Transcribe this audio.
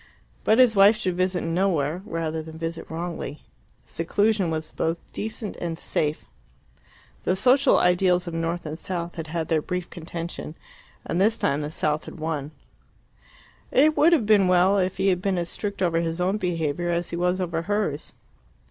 But his wife should visit nowhere rather than visit wrongly: seclusion was both decent and safe. The social ideals of North and South had had their brief contention, and this time the South had won. It would have been well if he had been as strict over his own behaviour as he was over hers.